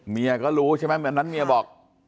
เมียก็รู้ใช่ไหมวันนั้นเมียบอก